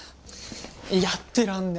やってらんね。